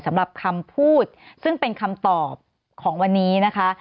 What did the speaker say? สำหรับคำพูดซึ่งเป็นคำตอบของวันนี้นะคะ